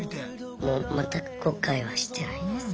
もう全く後悔はしてないです。